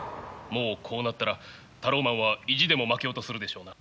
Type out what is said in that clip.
もうこうなったらタローマンは意地でも負けようとするでしょうな。